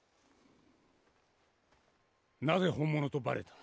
なぜ本物とバレた？